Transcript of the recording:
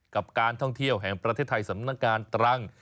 กับการท่องเที่ยวแห่งประเทศไทยสำนักงานตรัง